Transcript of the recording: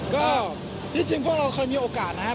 ก็ที่จริงพวกเราเคยมีโอกาสนะครับ